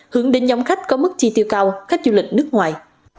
hướng đến nhóm khách có mức chi tiêu cao khách du lịch nước ngoài